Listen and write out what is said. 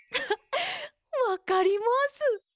わかります！